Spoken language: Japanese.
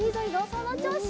そのちょうし。